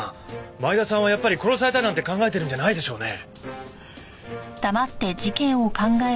前田さんはやっぱり殺されたなんて考えてるんじゃないでしょうね？